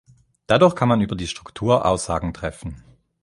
Dadurch kann man über die Struktur Aussagen treffen.